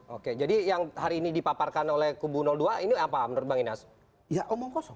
oke jadi yang hari ini dipaparkan oleh kubu dua ini apa menurut bang inas omong kosong